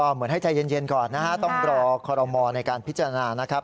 เหมือนให้ใจเย็นก่อนนะฮะต้องรอคอรมอลในการพิจารณานะครับ